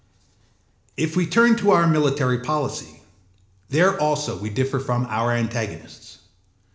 âIf we turn to our military policy, there also we differ from our antagonists.